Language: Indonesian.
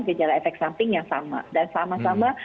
gejala efek samping yang sama dan sama sama